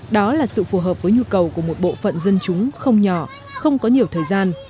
đó là sự phù hợp với nhu cầu của một bộ phận dân chúng không nhỏ không có nhiều thời gian